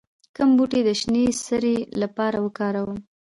کوم بوټي د شینې سرې لپاره وکاروم؟